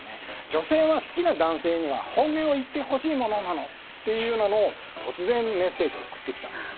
女性は好きな男性には、本音を言ってほしいものなのという突然メッセージを送ってきたんです。